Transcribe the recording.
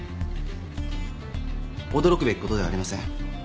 驚くべきことではありません。